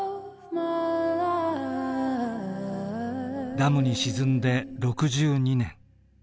ダムに沈んで６２年。